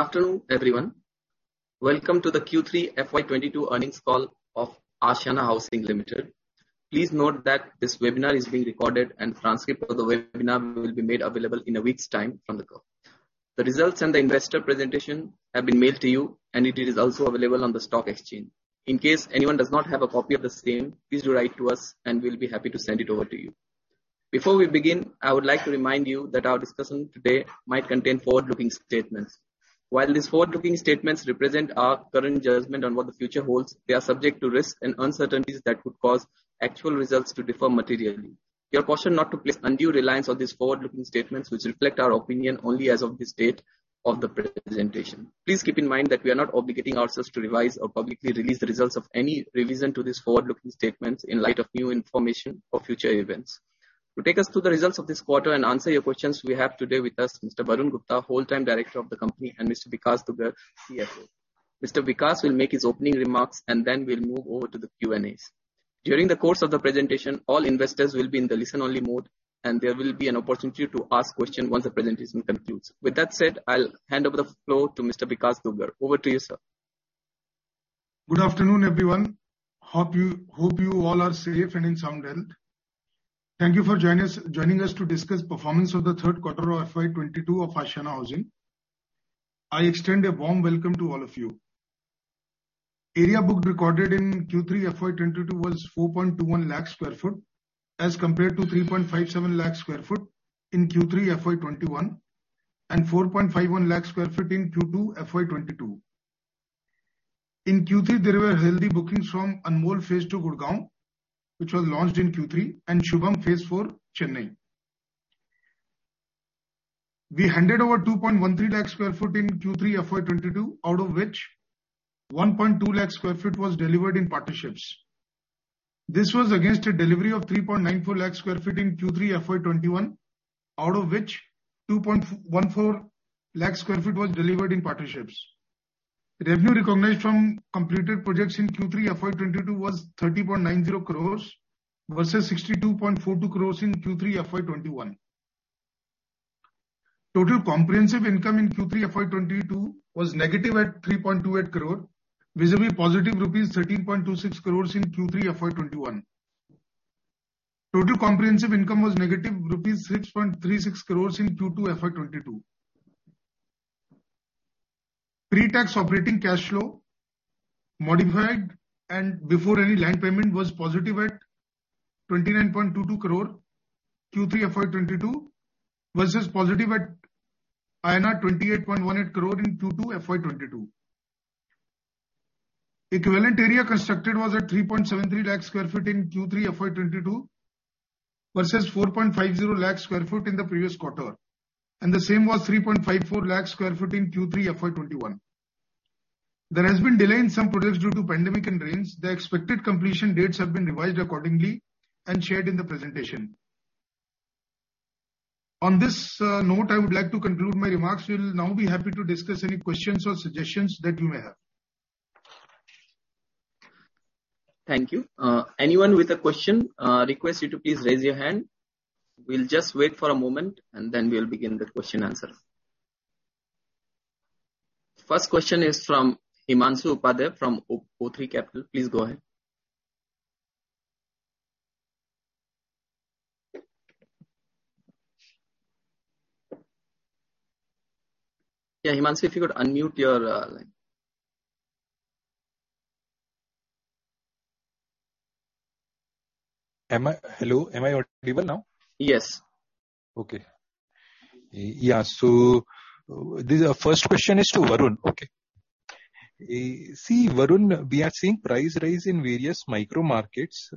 Good afternoon, everyone. Welcome to the Q3 FY 2022 Earnings Call of Ashiana Housing Limited. Please note that this webinar is being recorded, and transcript of the webinar will be made available in a week's time from the call. The results and the investor presentation have been mailed to you, and it is also available on the stock exchange. In case anyone does not have a copy of the same, please do write to us, and we'll be happy to send it over to you. Before we begin, I would like to remind you that our discussion today might contain forward-looking statements. While these forward-looking statements represent our current judgment on what the future holds, they are subject to risks and uncertainties that could cause actual results to differ materially. We caution not to place undue reliance on these forward-looking statements, which reflect our opinion only as of this date of the presentation. Please keep in mind that we are not obligating ourselves to revise or publicly release the results of any revision to these forward-looking statements in light of new information or future events. To take us through the results of this quarter and answer your questions, we have today with us Mr. Varun Gupta, Whole-time Director of the company, and Mr. Vikash Dugar, CFO. Mr. Vikash will make his opening remarks, and then we'll move over to the Q&As. During the course of the presentation, all investors will be in the listen-only mode, and there will be an opportunity to ask question once the presentation concludes. With that said, I'll hand over the floor to Mr. Vikash Dugar. Over to you, sir. Good afternoon, everyone. Hope you all are safe and in sound health. Thank you for joining us to discuss performance of the third quarter of FY 2022 of Ashiana Housing. I extend a warm welcome to all of you. Area booked recorded in Q3 FY 2022 was 4.21 lakh sq ft, as compared to 3.57 lakh sq ft in Q3 FY 2021, and 4.51 lakh sq ft in Q2 FY 2022. In Q3, there were healthy bookings from Anmol Phase Two, Gurgaon, which was launched in Q3, and Shubham Phase Four, Chennai. We handed over 2.13 lakh sq ft in Q3 FY 2022, out of which 1.2 lakh sq ft was delivered in partnerships. This was against a delivery of 3.94 lakh sq ft in Q3 FY 2021, out of which 2.14 lakh sq ft was delivered in partnerships. Revenue recognized from completed projects in Q3 FY 2022 was 30.90 crores, versus 62.42 crores in Q3 FY 2021. Total comprehensive income in Q3 FY 2022 was negative at 3.28 crore, vis-à-vis positive rupees 13.26 crores in Q3 FY 2021. Total comprehensive income was negative rupees 6.36 crores in Q2 FY 2022. Pre-tax operating cash flow, modified and before any land payment, was positive at 29.22 crore, Q3 FY 2022, versus positive at INR 28.18 crore in Q2 FY 2022. Equivalent area constructed was at 3.73 lakh sq ft in Q3 FY 2022, versus 4.50 lakh sq ft in the previous quarter, and the same was 3.54 lakh sq ft in Q3 FY 2021. There has been delay in some projects due to pandemic and rains. The expected completion dates have been revised accordingly and shared in the presentation. On this note, I would like to conclude my remarks. We will now be happy to discuss any questions or suggestions that you may have. Thank you. Anyone with a question, request you to please raise your hand. We'll just wait for a moment, and then we'll begin the question/answer. First question is from Himanshu Upadhyay from o3 Capital. Please go ahead. Yeah, Himanshu, if you could unmute your line. Hello, am I audible now? Yes. Okay. Yeah, so the first question is to Varun, okay. See, Varun, we are seeing price rise in various micro markets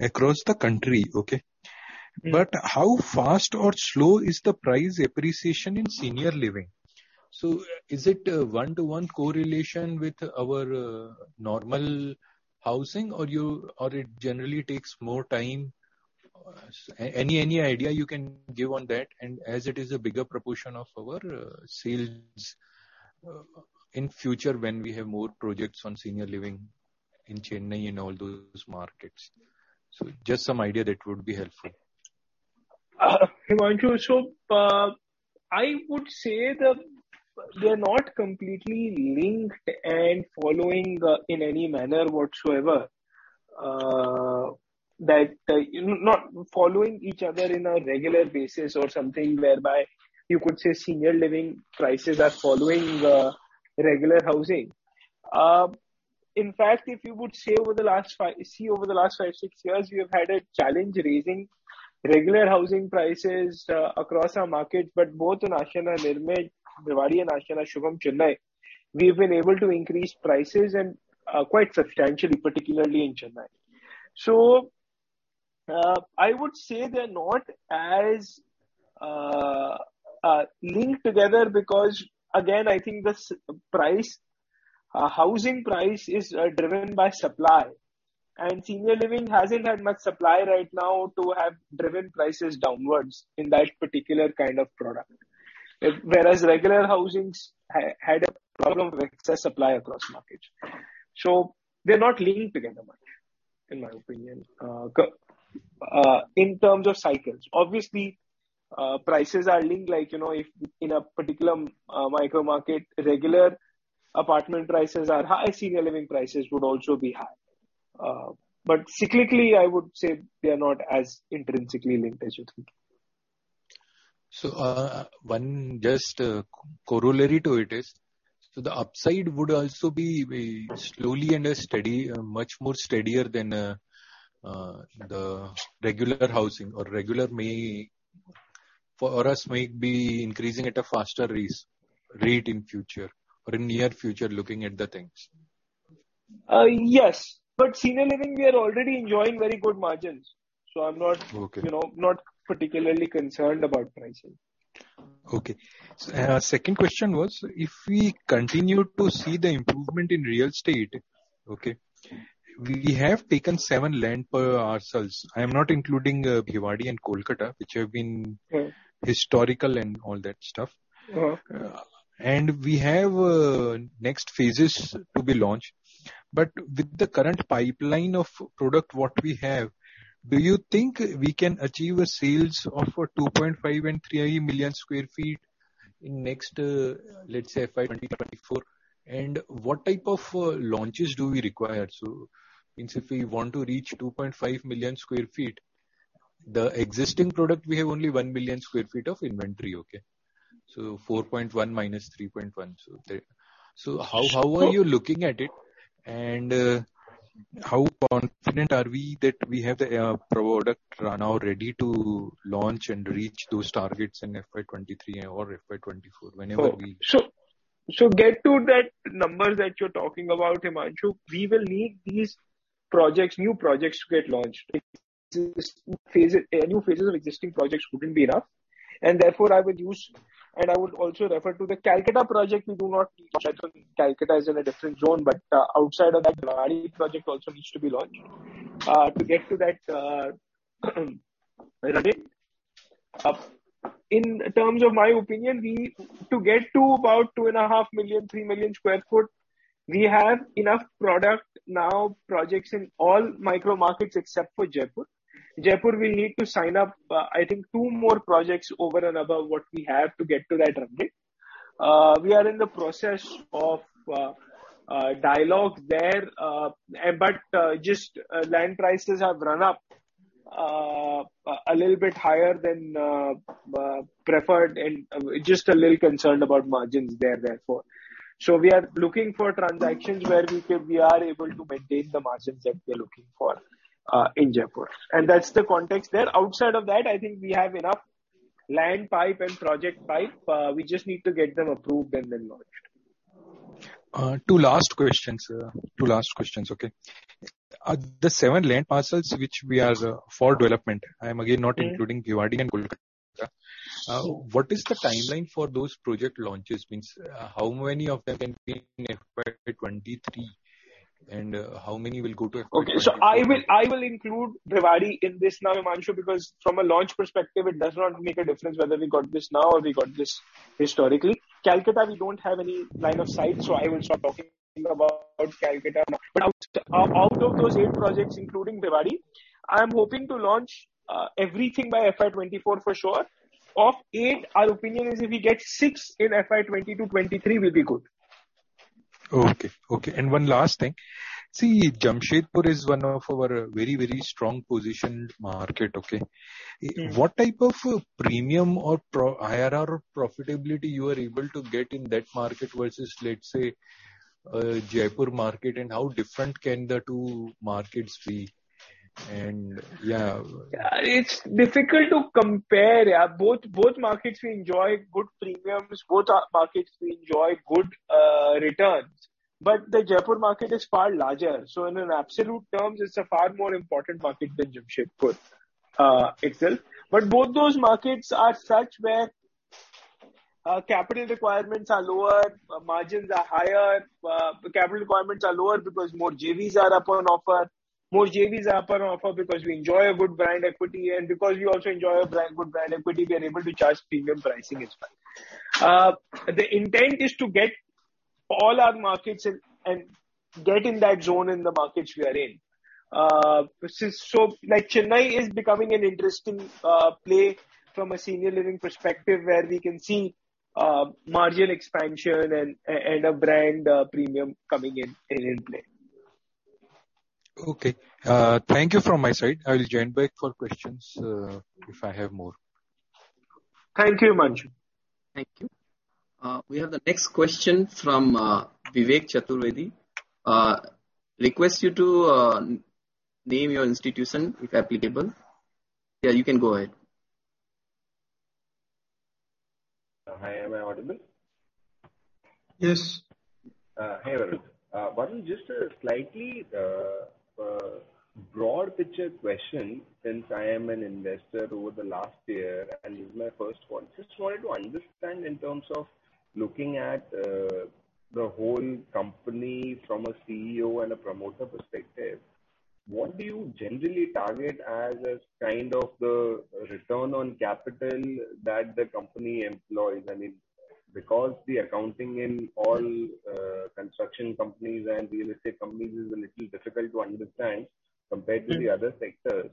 across the country, okay? Mm-hmm. But how fast or slow is the price appreciation in Senior Living? So is it a one-to-one correlation with our normal housing or you or it generally takes more time? Any, any idea you can give on that, and as it is a bigger proportion of our sales in future, when we have more projects on Senior Living in Chennai and all those markets? So just some idea that would be helpful. Thank you, Himanshu. I would say that they are not completely linked and following in any manner whatsoever. That not following each other in a regular basis or something whereby you could say Senior Living prices are following regular housing. In fact, if you would say over the last 5, 6 years, we have had a challenge raising regular housing prices across our markets, but both in Ashiana Nirmay, Bhiwadi, and Ashiana Shubham, Chennai, we have been able to increase prices and quite substantially, particularly in Chennai. So, I would say they're not as linked together because, again, I think the price, housing price is driven by supply, and Senior Living hasn't had much supply right now to have driven prices downwards in that particular kind of product. Whereas regular housings had a problem with excess supply across markets. So they're not linked together much in my opinion, in terms of cycles. Obviously, prices are linked, like, you know, if in a particular, micro market, regular apartment prices are high, Senior Living prices would also be high. But cyclically, I would say they are not as intrinsically linked as you think. So, one just corollary to it is, so the upside would also be slowly and steadily much more steadier than the regular housing or regular maybe for us might be increasing at a faster rate in future or in near future, looking at the things. Yes, but Senior Living, we are already enjoying very good margins, so I'm not- Okay. You know, not particularly concerned about pricing. Okay. And our second question was, if we continue to see the improvement in real estate, okay, we have taken seven land parcels for ourselves. I am not including Bhiwadi and Kolkata, which have been historical and all that stuff. Okay. And we have next phases to be launched. But with the current pipeline of product, what we have, do you think we can achieve sales of 2.5 and 3 million sq ft in next, let's say, FY 2024? And what type of launches do we require? So means if we want to reach 2.5 million sq ft, the existing product, we have only 1 million sq ft of inventory, okay? So 4.1 minus 3.1. So how, how are you looking at it? And how confident are we that we have the product run now ready to launch and reach those targets in FY 2023 or FY 2024, whenever we- So, to get to that number that you're talking about, Himanshu, we will need these projects, new projects, to get launched. Existing phases, new phases of existing projects wouldn't be enough, and therefore I would use and I would also refer to the Kolkata project, we do not, Kolkata is in a different zone, but, outside of that, Bhiwadi project also needs to be launched, to get to that, ready. In terms of my opinion, we, to get to about 2.5-3 million sq ft, we have enough product now, projects in all micro markets except for Jaipur. Jaipur, we need to sign up, I think two more projects over and above what we have to get to that ready. We are in the process of dialogue there, but just land prices have run up a little bit higher than preferred and just a little concerned about margins there therefore. So we are looking for transactions where we can, we are able to maintain the margins that we are looking for in Jaipur. And that's the context there. Outside of that, I think we have enough land pipe and project pipe. We just need to get them approved and then launched. Two last questions, two last questions, okay? The seven land parcels which we have for development, I am again not including Bhiwadi and Kolkata. What is the timeline for those project launches? Means, how many of them in FY 2023, and how many will go to FY 2024? Okay. So I will include Bhiwadi in this now, Himanshu, because from a launch perspective, it does not make a difference whether we got this now or we got this historically. Kolkata, we don't have any line of sight, so I will stop talking about Kolkata. But out of those eight projects, including Bhiwadi, I am hoping to launch everything by FY 2024 for sure. Of eight, our opinion is if we get six in FY 2020 to 2023, we'll be good. Okay. Okay, and one last thing. See, Jamshedpur is one of our very, very strong positioned market, okay? Mm. What type of premium or project IRR or profitability you are able to get in that market versus, let's say, Jaipur market? And how different can the two markets be? And, yeah. It's difficult to compare, yeah. Both, both markets we enjoy good premiums, both our markets we enjoy good, returns. But the Jaipur market is far larger, so in an absolute terms, it's a far more important market than Jamshedpur, itself. But both those markets are such where, capital requirements are lower, margins are higher. The capital requirements are lower because more JVs are up on offer. More JVs are up on offer because we enjoy a good brand equity, and because we also enjoy a brand, good brand equity, we are able to charge premium pricing as well. The intent is to get all our markets in, and get in that zone in the markets we are in. So, like, Chennai is becoming an interesting play from a Senior Living perspective, where we can see margin expansion and a brand premium coming into play. Okay. Thank you from my side. I will join back for questions, if I have more. Thank you, Himanshu. Thank you. We have the next question from Vivek Chaturvedi. Request you to name your institution, if applicable. Yeah, you can go ahead. Hi, am I audible? Yes. Hi, Varun. Varun, just a slightly broad picture question, since I am an investor over the last year and this is my first call. Just wanted to understand in terms of looking at the whole company from a CEO and a promoter perspective, what do you generally target as a kind of the return on capital that the company employs? I mean, because the accounting in all construction companies and real estate companies is a little difficult to understand compared to the other sectors.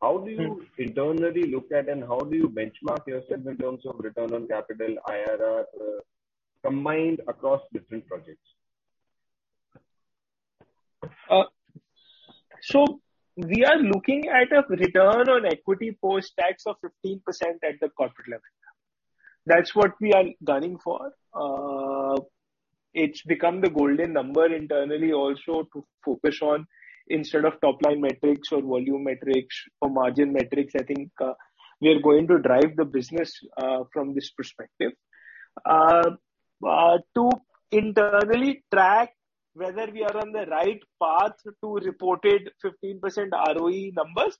How do you internally look at, and how do you benchmark yourself in terms of return on capital, IRR, combined across different projects? So we are looking at a return on equity post-tax of 15% at the corporate level. That's what we are gunning for. It's become the golden number internally also to focus on, instead of top-line metrics or volume metrics or margin metrics, I think, we are going to drive the business from this perspective. To internally track whether we are on the right path to reported 15% ROE numbers,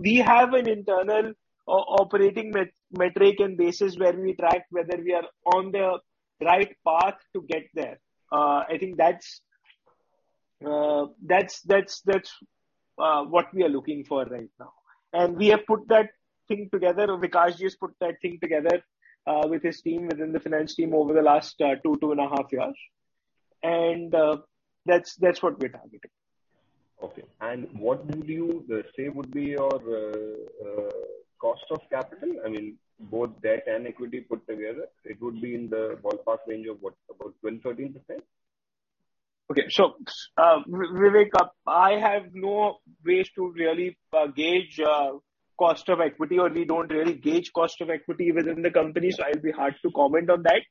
we have an internal operating metric and basis where we track whether we are on the right path to get there. I think that's what we are looking for right now. We have put that thing together, Vikash just put that thing together, with his team, within the finance team over the last two and a half years. That's what we're targeting. Okay. And what do you say would be your cost of capital? I mean, both debt and equity put together, it would be in the ballpark range of what? About 12%-13%? Okay. So, Vivek, I have no ways to really gauge cost of equity, or we don't really gauge cost of equity within the company, so it'll be hard to comment on that.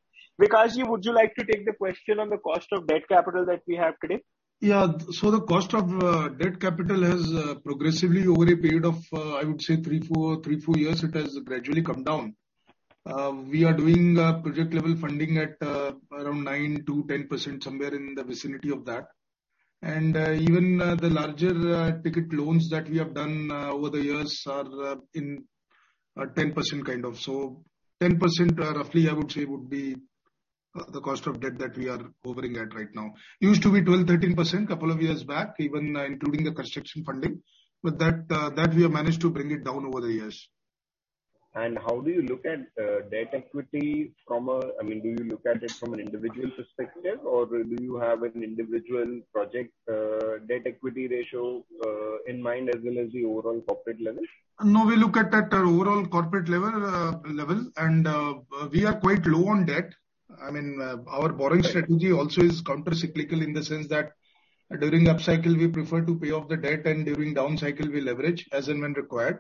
Vikash, would you like to take the question on the cost of debt capital that we have today? Yeah. So the cost of debt capital has progressively over a period of, I would say, 3-4 years, it has gradually come down. We are doing project-level funding at around 9%-10%, somewhere in the vicinity of that. And even the larger ticket loans that we have done over the years are in 10% kind of. So 10%, roughly, I would say, would be the cost of debt that we are hovering at right now. It used to be 12%-13%, couple of years back, even including the construction funding, but that we have managed to bring it down over the years. How do you look at debt equity? I mean, do you look at it from an individual perspective, or do you have an individual project debt equity ratio in mind, as well as the overall corporate level? No, we look at that overall corporate level, and we are quite low on debt. I mean, our borrowing strategy also is countercyclical in the sense that during upcycle, we prefer to pay off the debt, and during downcycle, we leverage as and when required.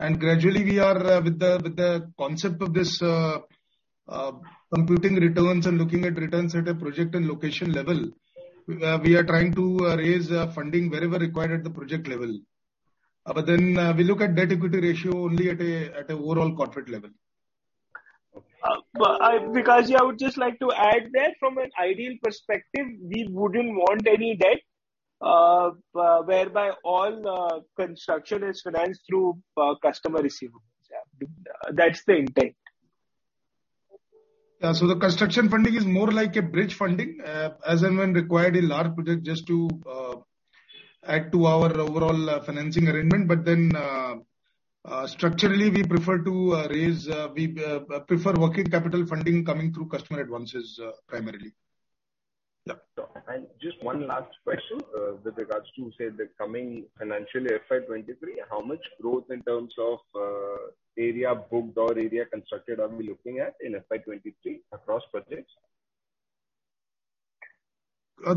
And gradually, with the concept of this computing returns and looking at returns at a project and location level, we are trying to raise funding wherever required at the project level. But then, we look at debt equity ratio only at an overall corporate level. Vikash, I would just like to add that from an ideal perspective, we wouldn't want any debt, whereby all construction is financed through customer receivables. Yeah. That's the intent. So the construction funding is more like a bridge funding, as and when required in large project, just to add to our overall financing arrangement. But then, structurally, we prefer working capital funding coming through customer advances, primarily. Yeah. And just one last question, with regards to, say, the coming financial year, FY 2023, how much growth in terms of, area booked or area constructed are we looking at in FY 2023 across projects?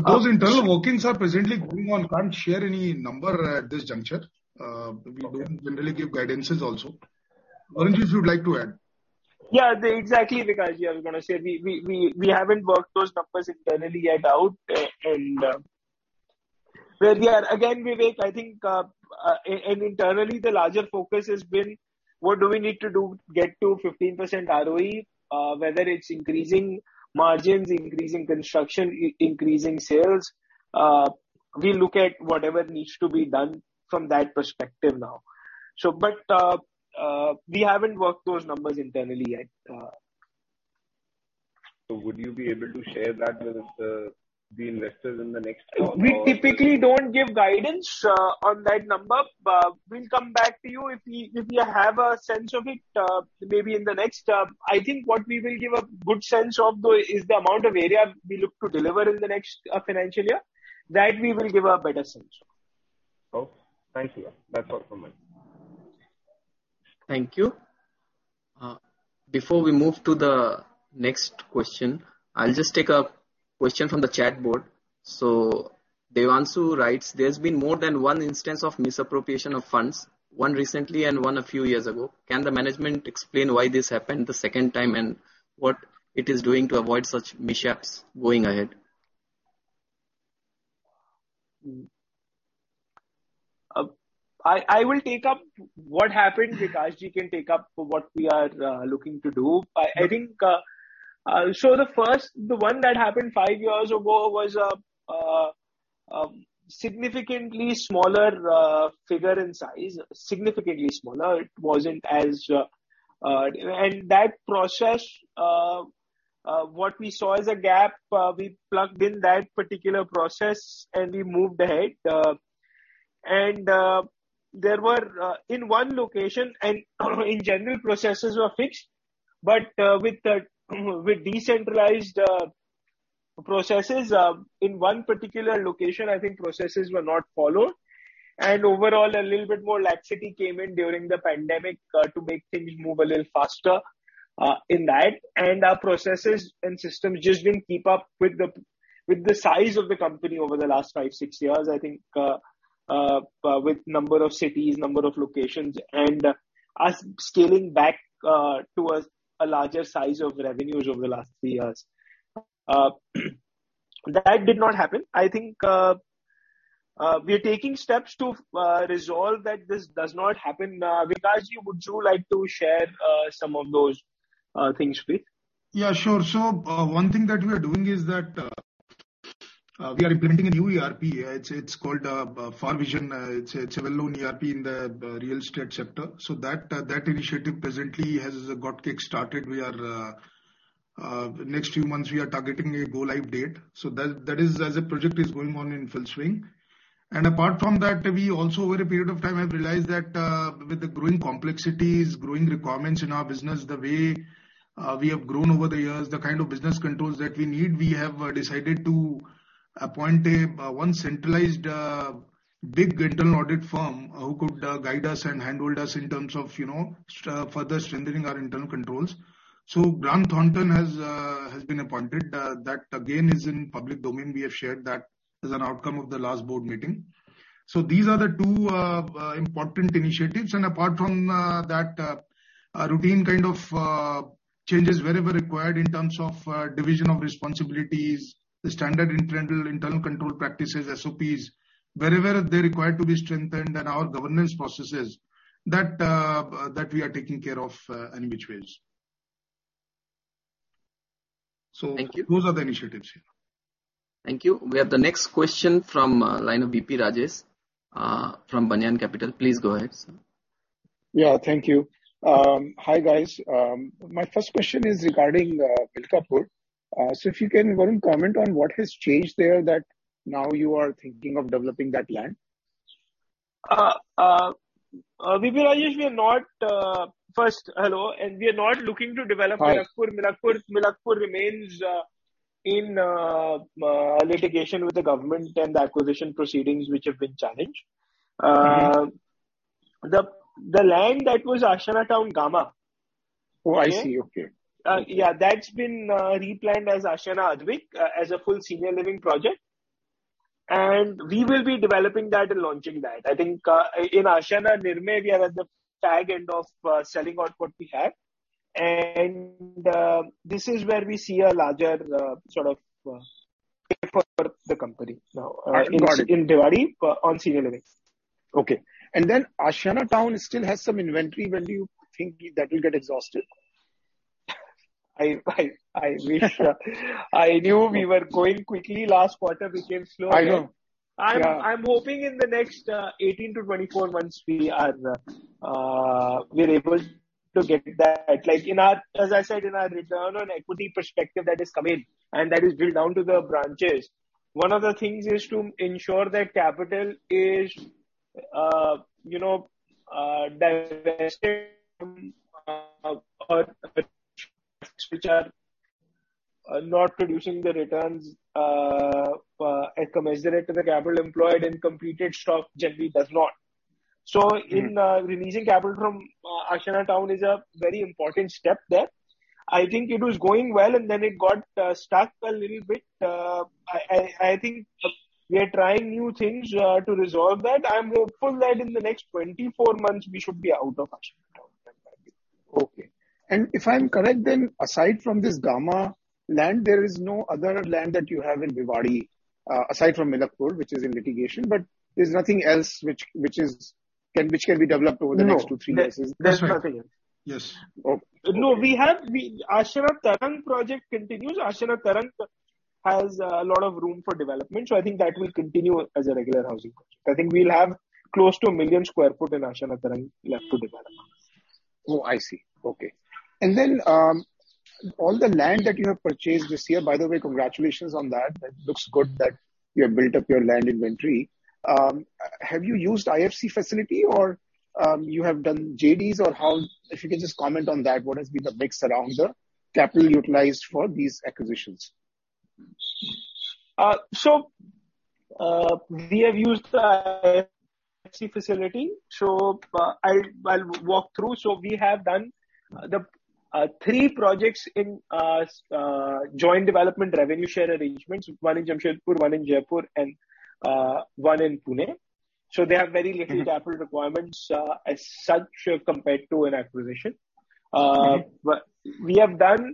Those internal workings are presently going on. Can't share any number at this juncture. We don't generally give guidances also. Varun if you'd like to add. Yeah, exactly, Vikash, I was going to say we haven't worked those numbers internally yet out. And, well, yeah, again, Vivek, I think, and internally, the larger focus has been: what do we need to do to get to 15% ROE? Whether it's increasing margins, increasing construction, increasing sales, we look at whatever needs to be done from that perspective now. So but, we haven't worked those numbers internally yet. So would you be able to share that with the investors in the next call? We typically don't give guidance on that number, but we'll come back to you if we, if we have a sense of it, maybe in the next. I think what we will give a good sense of though is the amount of area we look to deliver in the next financial year. That we will give a better sense of. Okay. Thank you. That's all from me. Thank you. Before we move to the next question, I'll just take a question from the chat board. So Devanshu writes: There's been more than one instance of misappropriation of funds, one recently and one a few years ago. Can the management explain why this happened the second time, and what it is doing to avoid such mishaps going ahead? I, I will take up what happened. Vikash ji can take up what we are looking to do. I, I think, so the first, the one that happened 5 years ago was significantly smaller figure in size, significantly smaller. It wasn't as... And that process, what we saw as a gap, we plugged in that particular process and we moved ahead. And there were in one location and in general, processes were fixed, but with decentralized processes in one particular location, I think processes were not followed. And overall, a little bit more laxity came in during the pandemic to make things move a little faster in that. Our processes and systems just didn't keep up with the, with the size of the company over the last 5, 6 years, I think, with number of cities, number of locations, and us scaling back, towards a larger size of revenues over the last 3 years. That did not happen. I think, we are taking steps to, resolve that this does not happen. Vikashji, would you like to share, some of those, things, please? Yeah, sure. So, one thing that we are doing is that we are implementing a new ERP. It's called Farvision. It's a well-known ERP in the real estate sector. So that initiative presently has got kick-started. We are, next few months, we are targeting a go-live date. So that, that is as a project is going on in full swing. And apart from that, we also, over a period of time, have realized that with the growing complexities, growing requirements in our business, the way we have grown over the years, the kind of business controls that we need, we have decided to appoint a one centralized big internal audit firm who could guide us and hand hold us in terms of, you know, further strengthening our internal controls. So Grant Thornton has been appointed. That, again, is in public domain. We have shared that as an outcome of the last board meeting. So these are the two important initiatives. And apart from that, routine kind of changes wherever required in terms of division of responsibilities, the standard internal control practices, SOPs, wherever they're required to be strengthened, and our governance processes, that we are taking care of, and which ways. So- Thank you. Those are the initiatives. Thank you. We have the next question from, line of V.P. Rajesh, from Banyan Capital. Please go ahead, sir. Yeah, thank you. Hi, guys. My first question is regarding Milakpur. So if you can go and comment on what has changed there, that now you are thinking of developing that land? VP Rajesh, we are not. First, hello, and we are not looking to develop- Right. Milakpur. Milakpur, Milakpur remains in litigation with the government and the acquisition proceedings, which have been challenged. Mm-hmm. The land that was Ashiana Town Gamma. Oh, I see. Okay. Yeah, that's been replanned as Ashiana Advik as a full Senior Living project. We will be developing that and launching that. I think in Ashiana Nirmay, we are at the tag end of selling out what we have. This is where we see a larger sort of fit for the company now- Ashiana Advik. In Bhiwadi, on Senior Living. Okay. And then Ashiana Town still has some inventory. When do you think that will get exhausted? I wish I knew we were going quickly. Last quarter became slower. I know. Yeah. I'm hoping in the next 18-24 months, we are, we're able to get that. Like in our. As I said, in our return on equity perspective, that is coming, and that is built down to the branches. One of the things is to ensure that capital is, you know, divested from, which are not producing the returns, commensurate to the capital employed and completed stock generally does not. Mm-hmm. So in releasing capital from Ashiana Town is a very important step there. I think it was going well, and then it got stuck a little bit. I, I, I think we are trying new things to resolve that. I'm hopeful that in the next 24 months, we should be out of Ashiana Town. Okay. If I'm correct, then aside from this Gamma land, there is no other land that you have in Bhiwadi, aside from Milakpur, which is in litigation, but there's nothing else which can be developed over the next 2-3 years. No. There's nothing else? Yes. Okay. No, Ashiana Tarang project continues. Ashiana Tarang has a lot of room for development, so I think that will continue as a regular housing project. I think we'll have close to 1 million sq ft in Ashiana Tarang left to develop. Oh, I see. Okay. And then, all the land that you have purchased this year, by the way, congratulations on that. That looks good that you have built up your land inventory. Have you used IFC facility or, you have done JDs or how? If you can just comment on that, what has been the mix around the capital utilized for these acquisitions? So, we have used IFC facility, so I'll walk through. So we have done the three projects in joint development revenue share arrangements. One in Jamshedpur, one in Jaipur, and one in Pune. So they have very little- Mm-hmm. -capital requirements, as such, compared to an acquisition. Mm-hmm. But we have done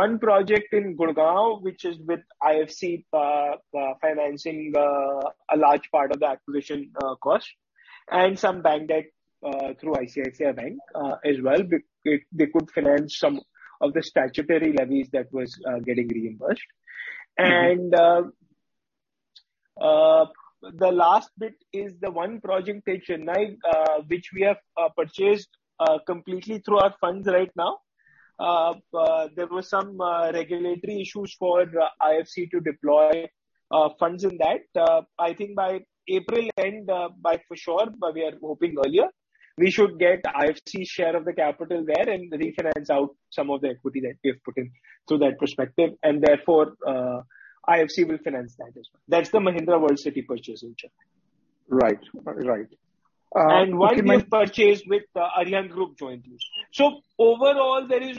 one project in Gurgaon, which is with IFC financing a large part of the acquisition cost, and some bank debt through ICICI Bank as well. They, they could finance some of the statutory levies that was getting reimbursed. Mm-hmm. The last bit is the one project in Chennai, which we have purchased completely through our funds right now. There were some regulatory issues for the IFC to deploy funds in that. I think by April end, by for sure, but we are hoping earlier, we should get IFC share of the capital there and refinance out some of the equity that we have put in through that perspective, and therefore, IFC will finance that as well. That's the Mahindra World City purchase in Chennai. Right. Right, One we've purchased with Arihant Group jointly. So overall, there is,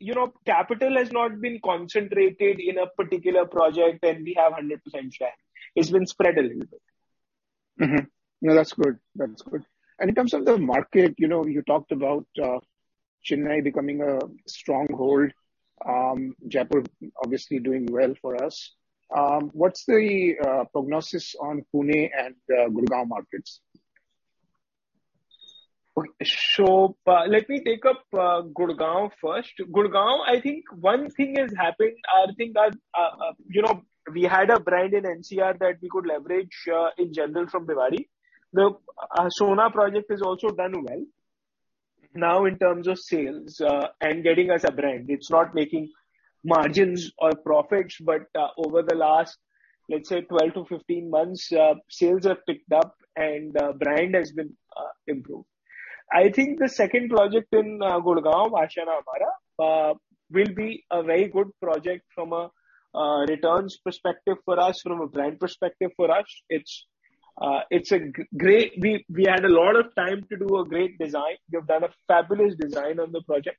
you know, capital has not been concentrated in a particular project, and we have 100% share. It's been spread a little bit. Mm-hmm. No, that's good. That's good. And in terms of the market, you know, you talked about Chennai becoming a stronghold, Jaipur obviously doing well for us. What's the prognosis on Pune and Gurgaon markets? So, let me take up Gurgaon first. Gurgaon, I think one thing has happened. I think that, you know, we had a brand in NCR that we could leverage, in general from Bhiwadi. The Sohna project has also done well. Now, in terms of sales, and getting us a brand, it's not making margins or profits, but, over the last, let's say, 12-15 months, sales have picked up and, brand has been, improved. I think the second project in Gurgaon, Ashiana Amara, will be a very good project from a returns perspective for us, from a brand perspective for us. It's, it's a great. We had a lot of time to do a great design. We've done a fabulous design on the project.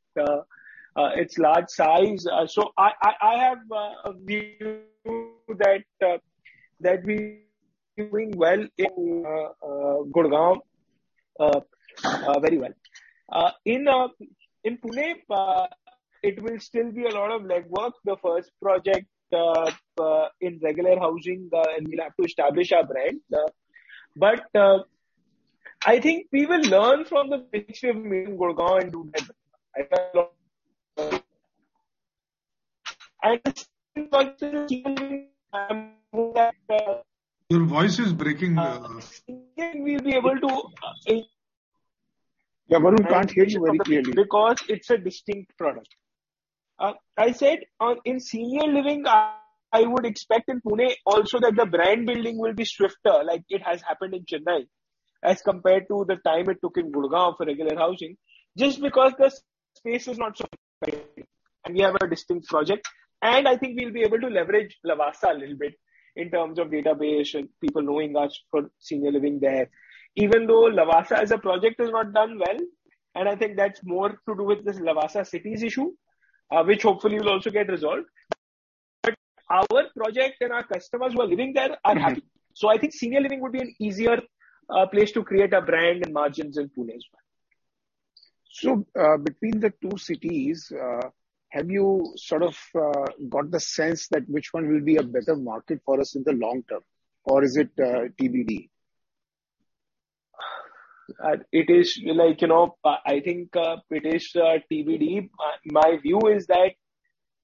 It's large size. So, I have a view that we're doing well in Gurgaon, very well. In Pune, it will still be a lot of legwork, the first project in regular housing, and we'll have to establish our brand. But I think we will learn from the mistakes we've made in Gurgaon and do better. Your voice is breaking. We'll be able to, Yeah, Varun, can't hear you very clearly. Because it's a distinct product. I said in Senior Living, I would expect in Pune also that the brand building will be swifter, like it has happened in Chennai, as compared to the time it took in Gurgaon for regular housing. Just because the space is not so, and we have a distinct project, and I think we'll be able to leverage Lavasa a little bit in terms of database and people knowing us for Senior Living there. Even though Lavasa as a project has not done well, and I think that's more to do with this Lavasa Cities issue, which hopefully will also get resolved. But our project and our customers who are living there are happy. So I think Senior Living would be an easier place to create a brand and margins in Pune as well. Between the two cities, have you sort of got the sense that which one will be a better market for us in the long term, or is it TBD? It is like, you know, I think, it is TBD. My view is that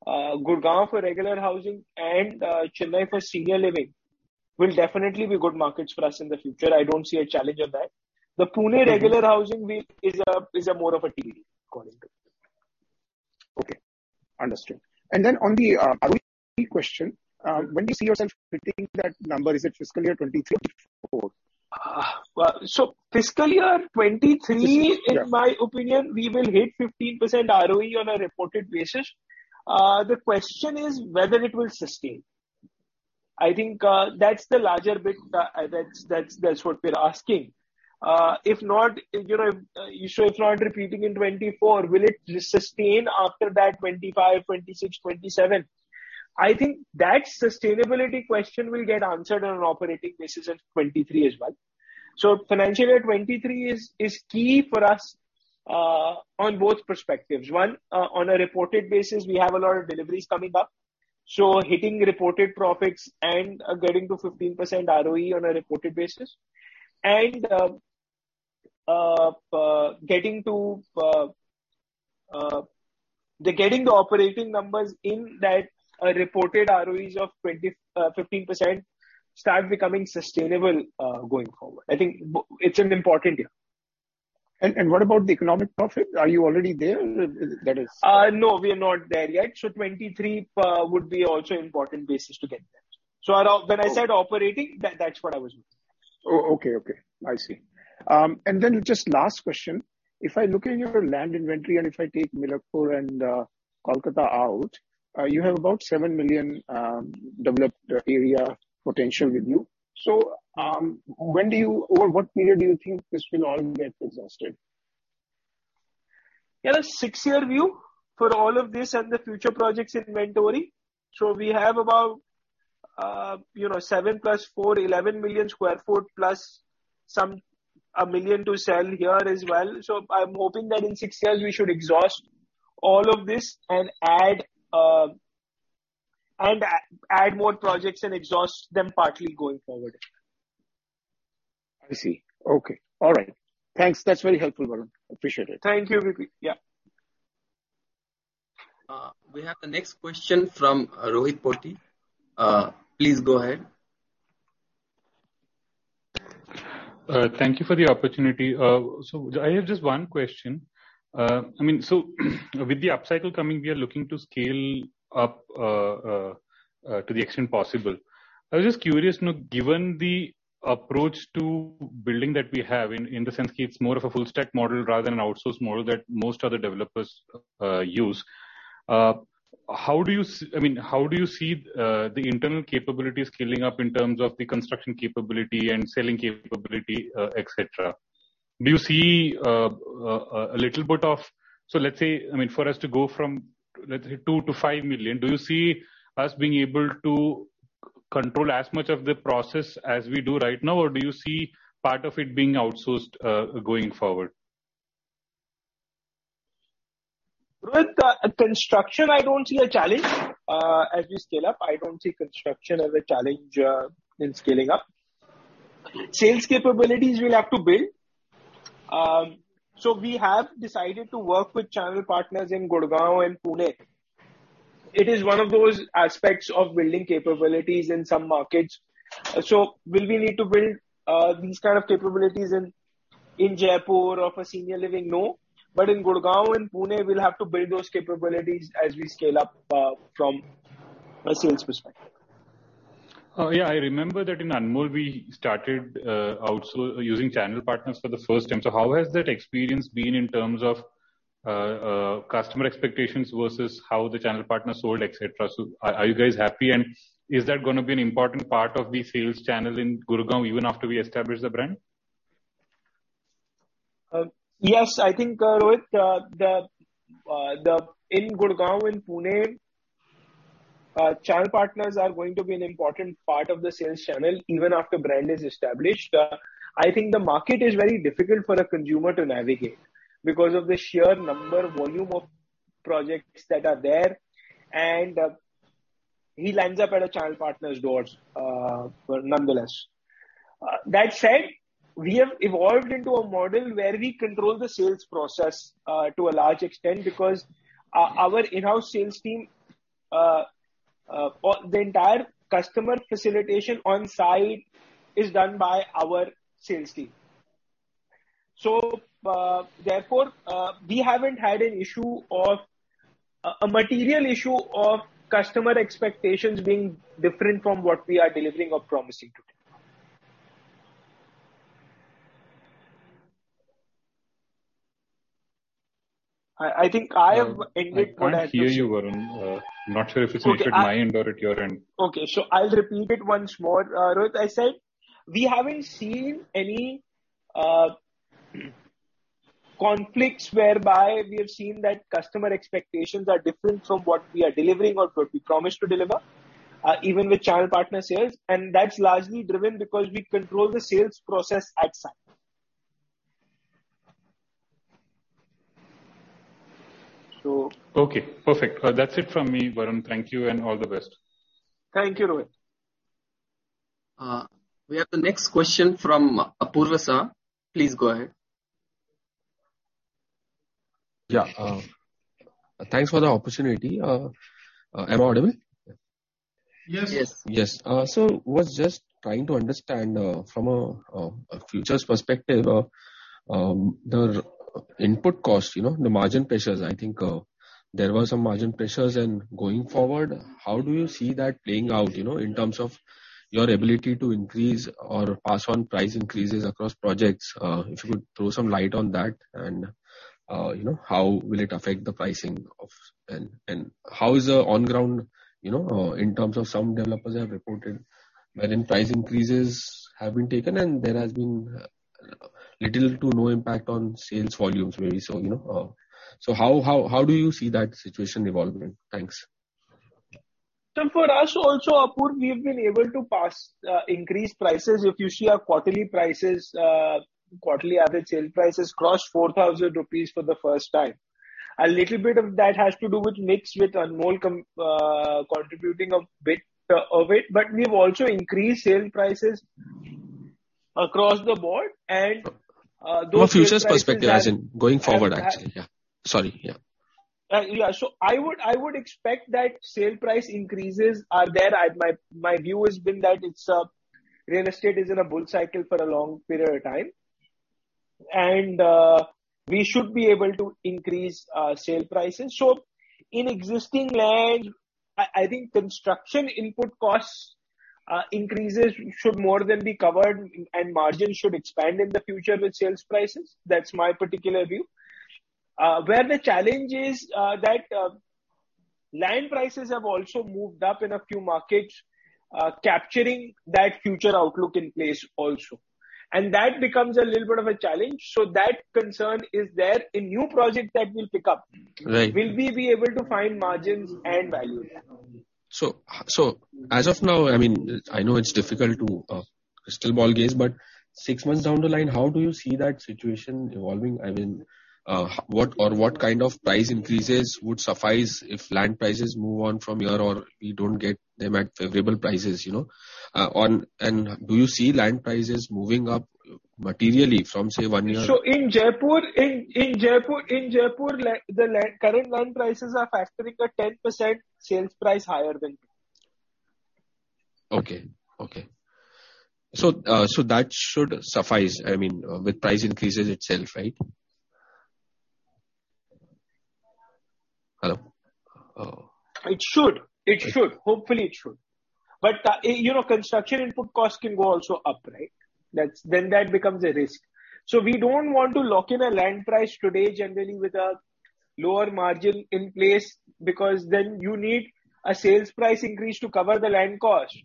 Gurgaon for regular housing and Chennai for Senior Living will definitely be good markets for us in the future. I don't see a challenge on that. The Pune regular housing will- is a, is a more of a TBD going forward. Okay, understood. And then on the other question, when do you see yourself hitting that number? Is it fiscal year 2023 or 2024? Well, fiscal year 2023- Yeah. In my opinion, we will hit 15% ROE on a reported basis. The question is whether it will sustain. I think, that's the larger bit, that's what we're asking. If not, you know, so it's not repeating in 2024, will it sustain after that, 2025, 2026, 2027? I think that sustainability question will get answered on an operating basis in 2023 as well. So financial year 2023 is key for us, on both perspectives. One, on a reported basis, we have a lot of deliveries coming up. So hitting reported profits and getting to 15% ROE on a reported basis, and getting to the getting the operating numbers in that reported ROEs of 20%-15%, start becoming sustainable, going forward. I think it's an important year. And what about the economic profit? Are you already there? That is- No, we are not there yet. So 2023 would be also important basis to get there. So around- Okay. When I said operating, that, that's what I was meaning. Oh, okay, okay. I see. And then just last question: If I look in your land inventory, and if I take Milakpur and Kolkata out, you have about seven million developed area potential with you. When do you, or what period do you think this will all get exhausted? Yeah, a six-year view for all of this and the future projects inventory. So we have about, you know, seven plus four, 11 million sq ft, plus some, one million to sell here as well. So I'm hoping that in six years we should exhaust all of this and add, and add more projects and exhaust them partly going forward. I see. Okay. All right. Thanks, that's very helpful, Varun. Appreciate it. Thank you, Vipin. Yeah. We have the next question from Rohit Potti. Please go ahead. Thank you for the opportunity. So I have just one question. I mean, with the upcycle coming, we are looking to scale up, to the extent possible. I was just curious, you know, given the approach to building that we have, in the sense it's more of a full stack model rather than an outsource model that most other developers use, how do you see the internal capabilities scaling up in terms of the construction capability and selling capability, et cetera? Do you see, so let's say, I mean, for us to go from, let's say, 2-5 million, do you see us being able to control as much of the process as we do right now, or do you see part of it being outsourced, going forward? With construction, I don't see a challenge. As we scale up, I don't see construction as a challenge in scaling up. Sales capabilities, we'll have to build. So we have decided to work with channel partners in Gurgaon and Pune. It is one of those aspects of building capabilities in some markets. So will we need to build these kind of capabilities in Jaipur of a Senior Living role? But in Gurgaon, in Pune, we'll have to build those capabilities as we scale up from a sales perspective. Yeah, I remember that in Anmol, we started also using channel partners for the first time. So how has that experience been in terms of, customer expectations versus how the channel partner sold, et cetera? So are you guys happy, and is that gonna be an important part of the sales channel in Gurgaon, even after we establish the brand? Yes, I think, Rohit, the in Gurgaon, in Pune, channel partners are going to be an important part of the sales channel even after brand is established. I think the market is very difficult for a consumer to navigate because of the sheer number, volume of projects that are there, and he lands up at a channel partner's doors, but nonetheless. That said, we have evolved into a model where we control the sales process to a large extent because our in-house sales team or the entire customer facilitation on site is done by our sales team. So, therefore, we haven't had an issue of a material issue of customer expectations being different from what we are delivering or promising to them. I think I have agreed with what I- I can't hear you, Varun. I'm not sure if it's at my end or at your end. Okay, so I'll repeat it once more. Rohit, I said, we haven't seen any conflicts whereby we have seen that customer expectations are different from what we are delivering or what we promised to deliver, even with channel partner sales. And that's largely driven because we control the sales process at site. So- Okay, perfect. That's it from me, Varun. Thank you and all the best. Thank you, Rohit. We have the next question from Apoorva Shah. Please go ahead. Yeah, thanks for the opportunity. Am I audible? Yes. Yes. Yes. So was just trying to understand, from a, a future's perspective, the input costs, you know, the margin pressures. I think, there were some margin pressures, and going forward, how do you see that playing out, you know, in terms of your ability to increase or pass on price increases across projects? If you could throw some light on that, and, you know, how will it affect the pricing? And, and how is the on ground, you know, in terms of some developers have reported, where in price increases have been taken and there has been, little to no impact on sales volumes really. So, you know, so how, how, how do you see that situation evolving? Thanks. For us also, Apoorva, we've been able to pass, increase prices. If you see our quarterly prices, quarterly average sale prices crossed 4,000 rupees for the first time. A little bit of that has to do with mix with Anmol contributing a bit of it, but we've also increased sale prices across the board, and, those- No, future perspective, as in going forward, actually. Yeah. Sorry. Yeah. Yeah. So I would, I would expect that sale price increases are there. My view has been that it's real estate is in a bull cycle for a long period of time, and we should be able to increase sale prices. So in existing land, I think construction input costs increases should more than be covered and margins should expand in the future with sales prices. That's my particular view. Where the challenge is that land prices have also moved up in a few markets, capturing that future outlook in place also. And that becomes a little bit of a challenge, so that concern is there. A new project that will pick up- Right. Will we be able to find margins and value? So as of now, I mean, I know it's difficult to crystal ball gaze, but six months down the line, how do you see that situation evolving? I mean, what or what kind of price increases would suffice if land prices move on from here or you don't get them at favorable prices, you know? And do you see land prices moving up materially from, say, one year? So in Jaipur, the land, current land prices are factoring a 10% sales price higher than today. Okay, okay. So, so that should suffice, I mean, with price increases itself, right? Hello? It should, it should. Hopefully, it should. But, you know, construction input costs can go also up, right? That's. Then that becomes a risk. So we don't want to lock in a land price today, generally, with a lower margin in place, because then you need a sales price increase to cover the land cost.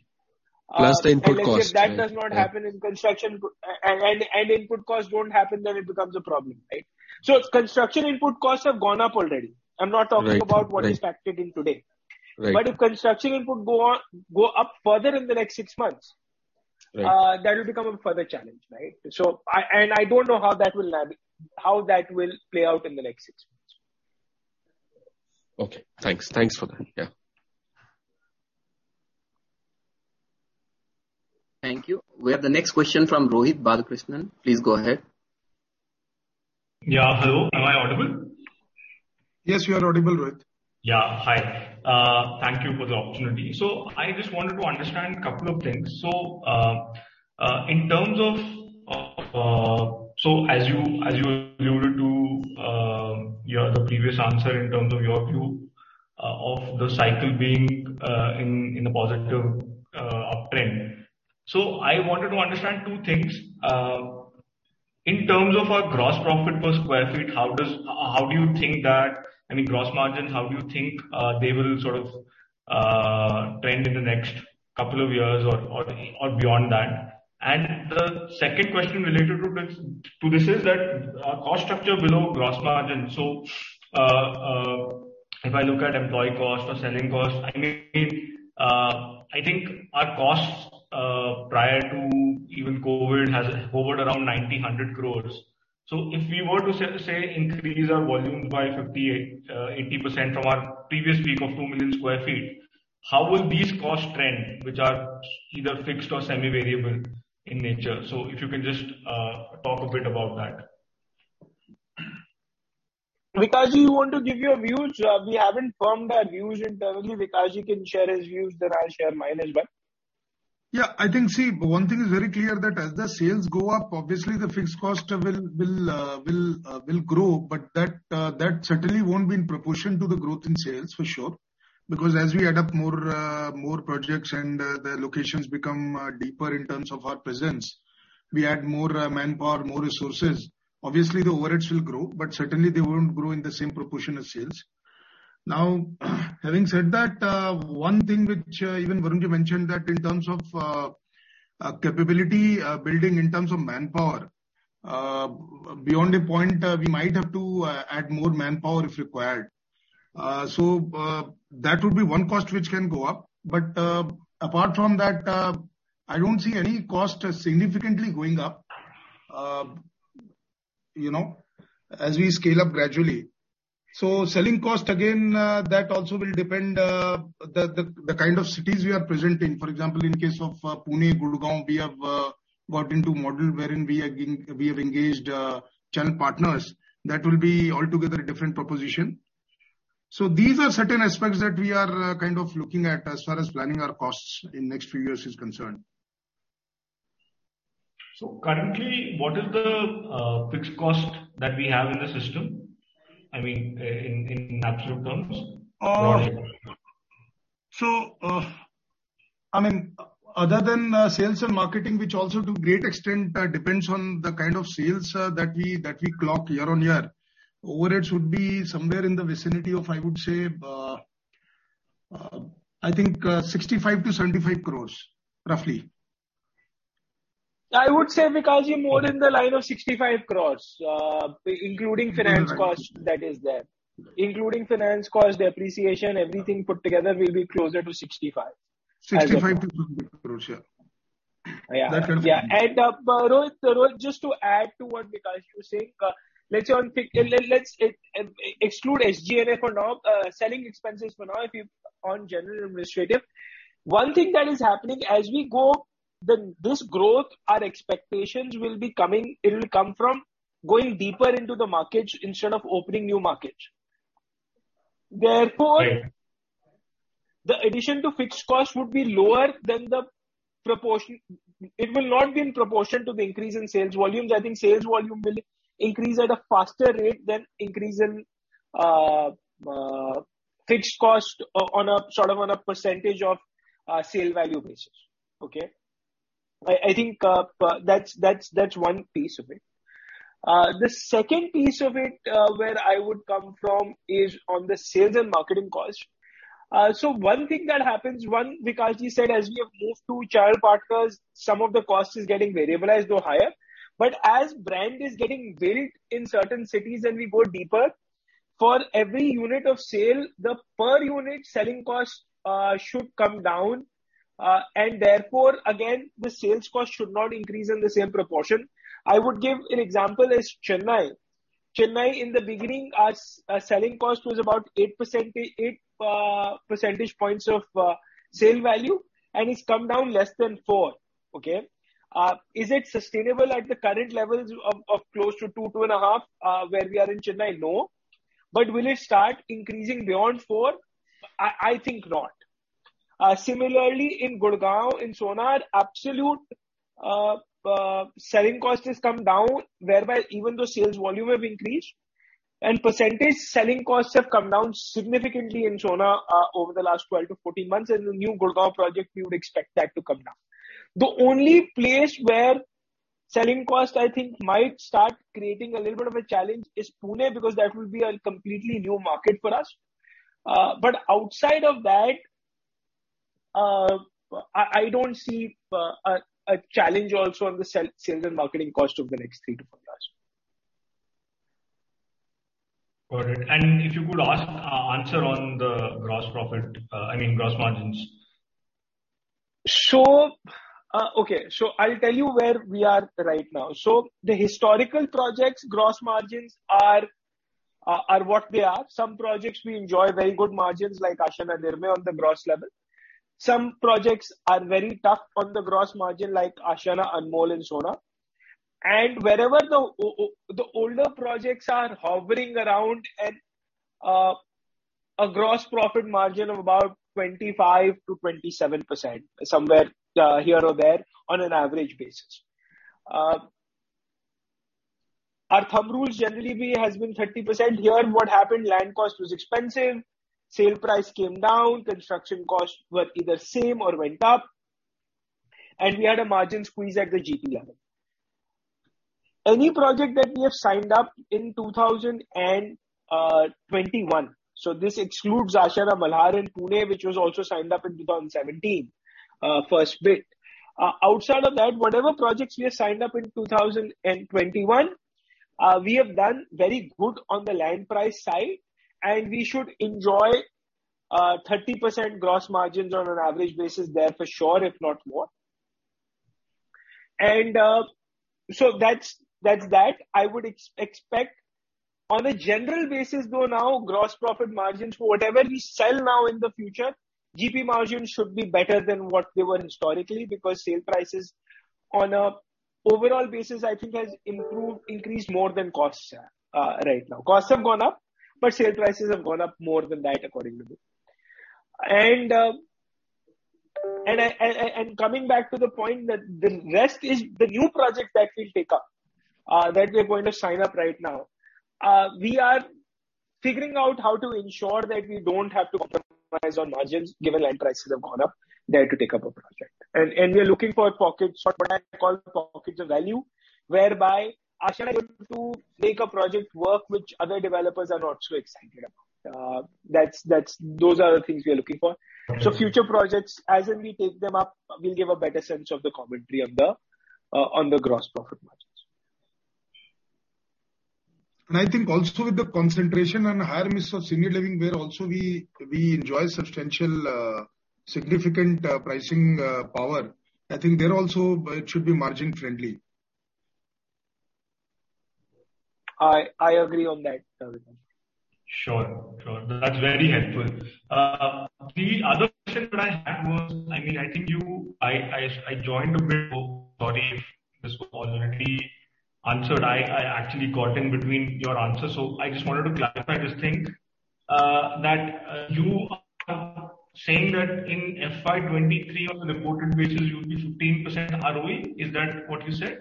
Plus the input cost, right? Unless if that does not happen in construction, and input costs don't happen, then it becomes a problem, right? So construction input costs have gone up already. Right, right. I'm not talking about what is factored in today. Right. But if construction input go up, go up further in the next six months. Right That will become a further challenge, right? And I don't know how that will play out in the next six months. Okay, thanks. Thanks for that. Yeah. Thank you. We have the next question from Rohit Balakrishnan. Please go ahead. Yeah, hello, am I audible? Yes, you are audible, Rohit. Yeah. Hi, thank you for the opportunity. So I just wanted to understand a couple of things. So, in terms of, so as you, as you alluded to, your the previous answer in terms of your view, of the cycle being, in a positive uptrend. So I wanted to understand two things. In terms of our gross profit per square feet, how do you think that, I mean, gross margin, how do you think they will sort of trend in the next couple of years or, or beyond that? And the second question related to this, to this is that, cost structure below gross margin. So, if I look at employee cost or selling cost, I mean, I think our costs, prior to even COVID, has hovered around 90 crore-100 crore. So if we were to say, increase our volume by 50-80% from our previous peak of 2 million sq ft, how will these costs trend, which are either fixed or semi-variable in nature? So if you can just, talk a bit about that. Vikashji, you want to give your views? We haven't firmed our views internally. Vikashji can share his views, then I'll share mine as well. Yeah, I think, see, one thing is very clear, that as the sales go up, obviously the fixed cost will grow, but that certainly won't be in proportion to the growth in sales, for sure. Because as we add up more, more projects and, the locations become deeper in terms of our presence, we add more, manpower, more resources. Obviously, the overheads will grow, but certainly they won't grow in the same proportion as sales. Now, having said that, one thing which, even Varunji mentioned, that in terms of, capability, building in terms of manpower, beyond a point, we might have to, add more manpower if required. So, that would be one cost which can go up, but apart from that, I don't see any cost significantly going up, you know, as we scale up gradually. So selling cost again, that also will depend, the kind of cities we are present in. For example, in case of Pune, Gurgaon, we have got into model wherein we have engaged channel partners, that will be altogether a different proposition. So these are certain aspects that we are kind of looking at as far as planning our costs in next few years is concerned. Currently, what is the fixed cost that we have in the system? I mean, in absolute terms? I mean, other than sales and marketing, which also to a great extent depends on the kind of sales that we clock year on year, overheads would be somewhere in the vicinity of, I would say, I think, 65-75 crores, roughly. I would say, Vikashji, more in the line of 65 crore, including finance costs that is there. Right. Including finance costs, the appreciation, everything put together will be closer to 65. 65 crore-INR 70 crore, yeah. Yeah. That's it. Yeah, and, Rohit, Rohit, just to add to what Vikashji was saying, let's say let's exclude SG&A for now, selling expenses for now, if you on general administrative. One thing that is happening, as we go, this growth, our expectations will be coming, it will come from going deeper into the markets instead of opening new markets. Therefore- Right The addition to fixed costs would be lower than the proportion. It will not be in proportion to the increase in sales volumes. I think sales volume will increase at a faster rate than increase in fixed cost on a sort of on a percentage of sale value basis. Okay? I think that's one piece of it. The second piece of it, where I would come from, is on the sales and marketing cost. So one thing that happens, Vikashji said as we have moved to channel partners, some of the cost is getting variable as though higher. But as brand is getting built in certain cities and we go deeper, for every unit of sale, the per unit selling cost should come down, and therefore, again, the sales cost should not increase in the same proportion. I would give an example is Chennai. Chennai, in the beginning, our selling cost was about 8%, 8 percentage points of sale value, and it's come down less than 4. Okay? Is it sustainable at the current levels of close to 2, 2.5 where we are in Chennai? No. But will it start increasing beyond 4? I, I think not. Similarly, in Gurgaon, in Sohna, absolute selling cost has come down, whereby even though sales volume have increased, and percentage selling costs have come down significantly in Sohna over the last 12-14 months, and the new Gurgaon project, we would expect that to come down. The only place where selling cost, I think, might start creating a little bit of a challenge is Pune, because that will be a completely new market for us. But outside of that, I don't see a challenge also on the sales and marketing cost over the next 3-5 years. Got it. And if you could answer on the gross profit, I mean, gross margins. So, okay, so I'll tell you where we are right now. So the historical projects, gross margins are what they are. Some projects we enjoy very good margins, like Ashiana Nirmay on the gross level. Some projects are very tough on the gross margin, like Ashiana Anmol in Sohna. And wherever the older projects are hovering around at a gross profit margin of about 25%-27%, somewhere here or there, on an average basis. Our thumb rules generally has been 30%. Here, what happened, land cost was expensive, sale price came down, construction costs were either same or went up, and we had a margin squeeze at the GP level. Any project that we have signed up in 2021, so this excludes Ashiana Malhar in Pune, which was also signed up in 2017, first bit. Outside of that, whatever projects we have signed up in 2021, we have done very good on the land price side, and we should enjoy 30% gross margins on an average basis there for sure, if not more. And so that's, that's that. I would expect on a general basis, though, now, gross profit margins for whatever we sell now in the future, GP margins should be better than what they were historically, because sale prices on a overall basis, I think, has improved, increased more than costs, right now. Costs have gone up, but sale prices have gone up more than that, according to me. Coming back to the point that the rest is the new project that we'll take up, that we are going to sign up right now. We are figuring out how to ensure that we don't have to compromise on margins, given land prices have gone up, there to take up a project. We are looking for pockets, what I call pockets of value, whereby Ashiana is able to make a project work which other developers are not so excited about. That's those are the things we are looking for. Got it. Future projects, as we take them up, we'll give a better sense of the commentary on the gross profit margins. And I think also with the concentration on the higher mix of Senior Living, where also we enjoy substantial, significant pricing power. I think there also, it should be margin-friendly. I agree on that, Vikash. Sure. Sure, that's very helpful. The other question that I had was, I mean, I think you joined a bit ago, sorry if this was already answered. I actually got in between your answer, so I just wanted to clarify this thing. That you are saying that in FY 2023 on a reported basis, you do 15% ROE, is that what you said?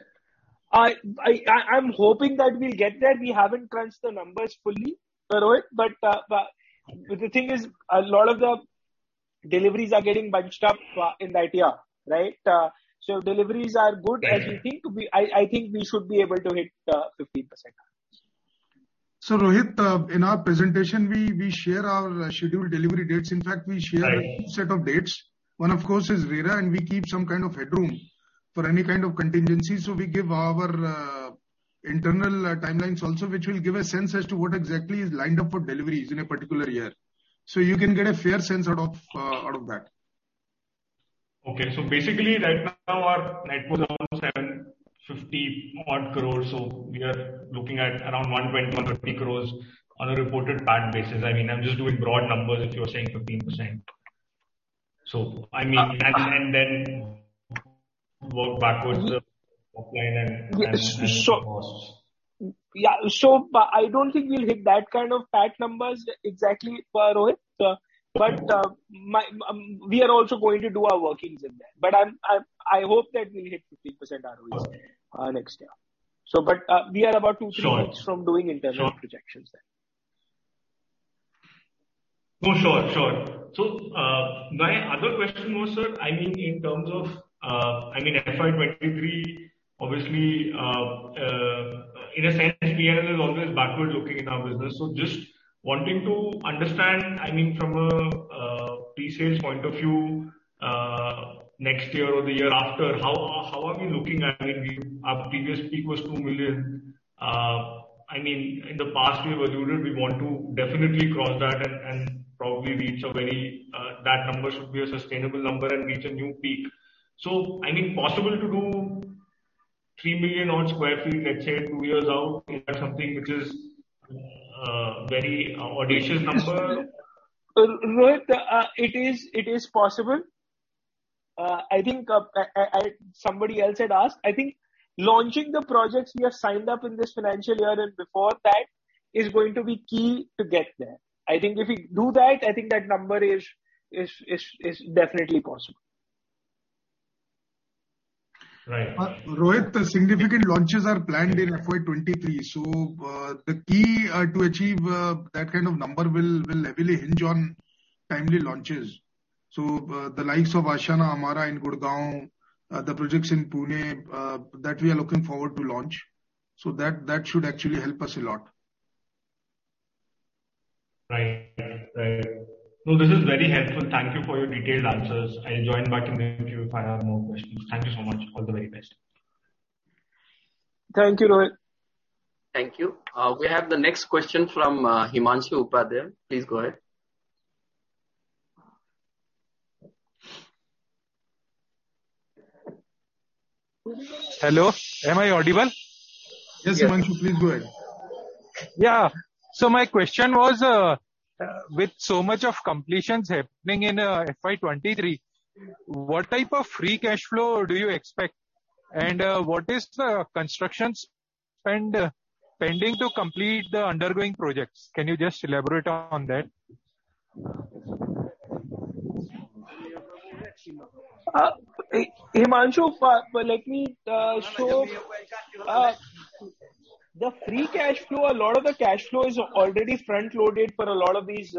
I'm hoping that we'll get there. We haven't crunched the numbers fully, Rohit, but the thing is, a lot of the deliveries are getting bunched up in that year, right? So deliveries are good, and I think we should be able to hit 15%. So, Rohit, in our presentation, we share our scheduled delivery dates. In fact, we share- Right. Two sets of dates. One, of course, is RERA, and we keep some kind of headroom for any kind of contingencies. So we give our internal timelines also, which will give a sense as to what exactly is lined up for deliveries in a particular year. So you can get a fair sense out of out of that. Okay. So basically, right now, our net was around 750 crores, so we are looking at around 120-150 crores on a reported PAT basis. I mean, I'm just doing broad numbers if you're saying 15%. So I mean- Uh. and then work backwards, offline and costs. Yeah, so, I don't think we'll hit that kind of PAT numbers exactly, Rohit. But my, we are also going to do our workings in there. But I'm, I hope that we'll hit 15% ROE- Got it. Next year. So but, we are about two, three- Sure months from doing internal Sure. -projections then. No, sure, sure. So, my other question was, sir, I mean, in terms of, I mean, FY 2023, obviously, in a sense, P&L is always backward-looking in our business. So just wanting to understand, I mean, from a, a pre-sales point of view, next year or the year after, how are, how are we looking at it? I mean, our previous peak was two million sq ft. I mean, in the past we have alluded we want to definitely cross that and, and probably reach a very, that number should be a sustainable number and reach a new peak. So, I mean, possible to do three million odd sq ft, let's say, two years out, is that something which is, very, audacious number? Rohit, it is possible. I think somebody else had asked. I think launching the projects we have signed up in this financial year and before that is going to be key to get there. I think if we do that, I think that number is definitely possible. Right. Rohit, the significant launches are planned in FY 2023, so, the key to achieve that kind of number will heavily hinge on timely launches. So, the likes of Ashiana Amara in Gurgaon, the projects in Pune that we are looking forward to launch, so that should actually help us a lot. Right. Right. No, this is very helpful. Thank you for your detailed answers. I'll join back in with you if I have more questions. Thank you so much. All the very best. Thank you, Rohit. Thank you. We have the next question from Himanshu Upadhyay. Please go ahead. Hello, am I audible? Yes, Himanshu, please go ahead. Yeah. So my question was, with so much of completions happening in FY 2023, what type of free cash flow do you expect? And, what is the construction spend pending to complete the undergoing projects? Can you just elaborate on that? Hi, Himanshu, let me show the free cash flow. A lot of the cash flow is already front-loaded for a lot of these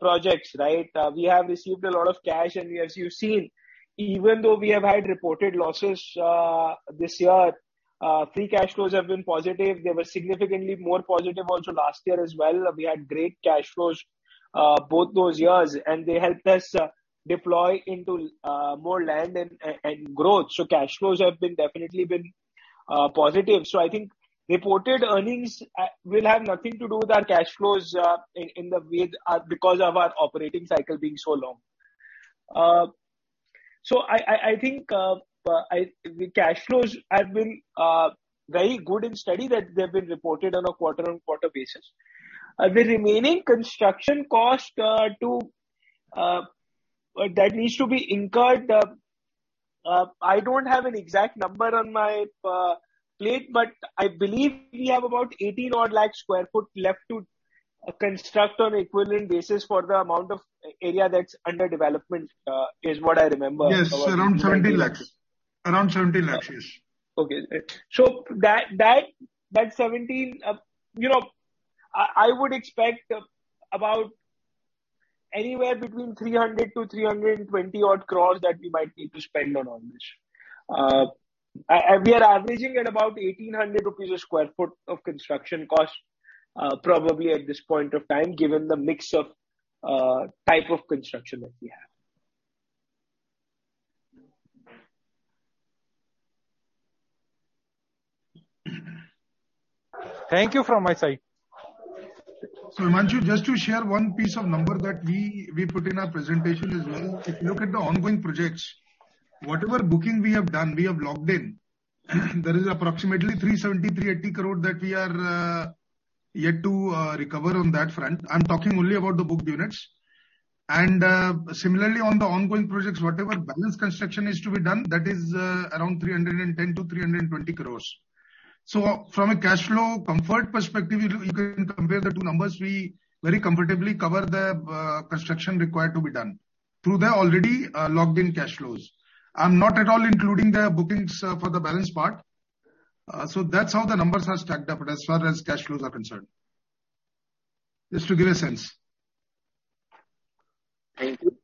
projects, right? We have received a lot of cash, and as you've seen, even though we have had reported losses this year, free cash flows have been positive. They were significantly more positive also last year as well. We had great cash flows both those years, and they helped us deploy into more land and growth. So cash flows have been definitely positive. So I think reported earnings will have nothing to do with our cash flows in the way because of our operating cycle being so long. So I think the cash flows have been very good and steady, that they have been reported on a quarter-on-quarter basis. The remaining construction cost that needs to be incurred, I don't have an exact number on my plate, but I believe we have about 80-odd lakh sq ft left to construct on equivalent basis for the amount of area that's under development, is what I remember. Yes, around 17 lakh. Around 17 lakh, yes. Okay. That 17, you know, I would expect about anywhere between 300-320 odd crores that we might need to spend on all this. We are averaging at about 1,800 rupees a sq ft of construction cost, probably at this point of time, given the mix of type of construction that we have. Thank you from my side. Himanshu, just to share one piece of number that we, we put in our presentation as well. If you look at the ongoing projects, whatever booking we have done, we have locked in, there is approximately 370-380 crore that we are yet to recover on that front. I'm talking only about the booked units. And similarly on the ongoing projects, whatever balance construction is to be done, that is around 310-320 crore. So from a cash flow comfort perspective, you, you can compare the two numbers. We very comfortably cover the construction required to be done through the already locked-in cash flows. I'm not at all including the bookings for the balance part. So that's how the numbers are stacked up as far as cash flows are concerned. Just to give a sense. Thank you.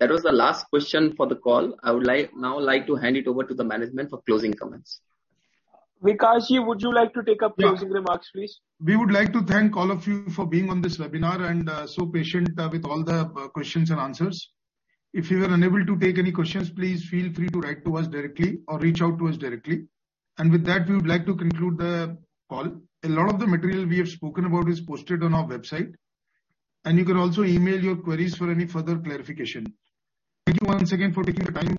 That was the last question for the call. I would like now to hand it over to the management for closing comments. Vikash, would you like to take up closing remarks, please? We would like to thank all of you for being on this webinar and so patient with all the questions and answers. If you were unable to take any questions, please feel free to write to us directly or reach out to us directly, and with that, we would like to conclude the call. A lot of the material we have spoken about is posted on our website, and you can also email your queries for any further clarification. Thank you once again for taking the time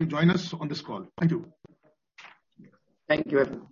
to join us on this call. Thank you. Thank you, everyone.